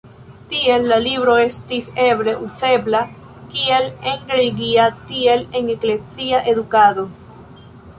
Tiel la libro estis eble uzebla kiel en religia, tiel en eklezia edukado.